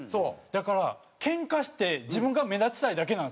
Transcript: だからケンカして自分が目立ちたいだけなんですよ。